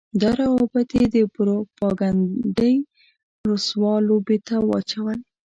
دا روابط يې د پروپاګنډۍ رسوا لوبې ته واچول.